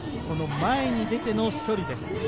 前に出ての処理です。